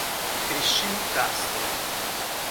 Cristino Castro